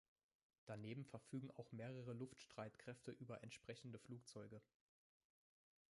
Daneben verfügen auch mehrere Luftstreitkräfte über entsprechende Flugzeuge.